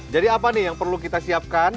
jadi apa nih yang perlu kita siapkan